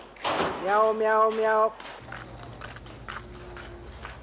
ミャオミャオミャオ。